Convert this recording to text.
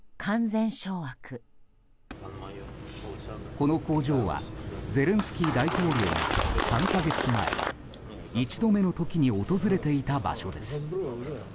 この工場はゼレンスキー大統領が３か月前、一度目の時に訪れていた場所です。